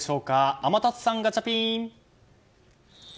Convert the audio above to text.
天達さん、ガチャピン！